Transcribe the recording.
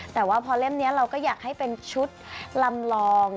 แต่ว่าพอเล่มนี้เราก็อยากให้เป็นชุดลำลอง